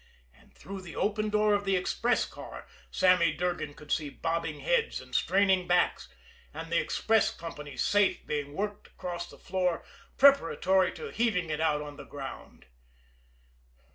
And through the open door of the express car Sammy Durgan could see bobbing heads and straining backs, and the express company's safe being worked across the floor preparatory to heaving it out on the ground.